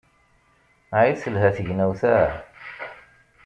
Ay telha tegnawt-a!